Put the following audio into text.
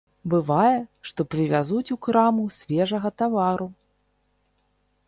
Бывае, што прывязуць у краму свежага тавару.